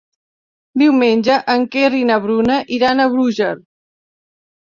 Diumenge en Quer i na Bruna iran a Búger.